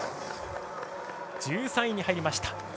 １３位に入りました。